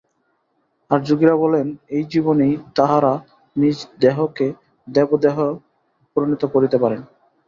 আর যোগীরা বলেন, এই জীবনেই তাঁহারা নিজ দেহকে দেবদেহে পরিণত করিতে পারেন।